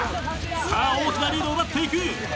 さあ大きなリードを奪っていく。